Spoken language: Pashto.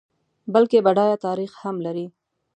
بلکه بډایه تاریخ هم لري.